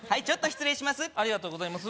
ちょっと失礼します